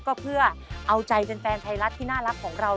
ก็เพื่อเอาใจแฟนไทยรัฐที่น่ารักของเรา